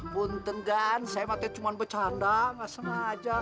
bukankah saya cuma bercanda tidak senang saja